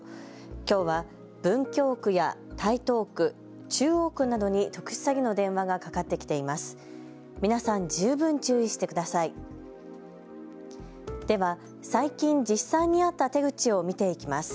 きょうは、文京区や台東区、中央区などに特殊詐欺の電話がかかってきています。